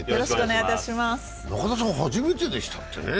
中田さん、初めてでしたっけね。